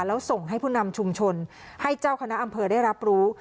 แล้วส่งให้ผู้นำชุมชนให้เจ้าคณะอำเภอได้รับรู้